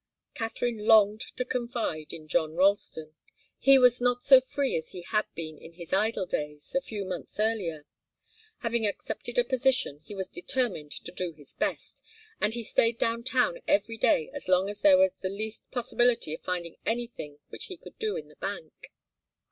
Katharine longed to confide in John Ralston. He was not so free as he had been in his idle days, a few months earlier. Having accepted a position, he was determined to do his best, and he stayed down town every day as long as there was the least possibility of finding anything which he could do in the bank.